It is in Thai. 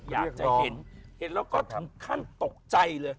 อยากจะเห็นเห็นแล้วก็ถึงขั้นตกใจเลย